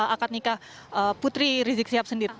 akad nikah putri rizik sihab sendiri